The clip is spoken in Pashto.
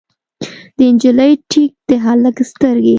د نجلۍ ټیک، د هلک سترګې